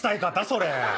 それ！